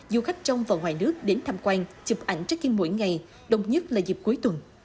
du khách trong và ngoài nước đến tham quan chụp ảnh trái tim mỗi ngày đông nhất là dịp cuối tuần